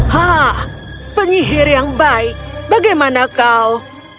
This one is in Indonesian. hah penyihir yang baik bagaimana kau